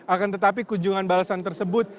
akan tetapi kunjungan balasan tersebut